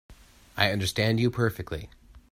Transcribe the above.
I understand you perfectly.